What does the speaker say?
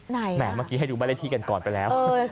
ไหนล่ะแหมให้ดูบรรยาทีกันก่อนไปแล้ว